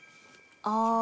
ああ！